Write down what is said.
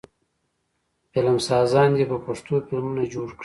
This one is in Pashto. فلمسازان دې په پښتو فلمونه جوړ کړي.